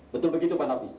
betul begitu pak nafis